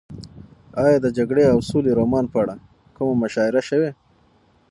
ایا د جګړې او سولې رومان په اړه کومه مشاعره شوې؟